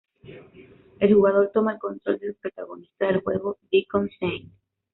El jugador toma el control del protagonista del juego, Deacon St.